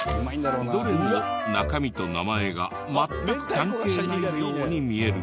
どれも中身と名前が全く関係ないように見えるけど。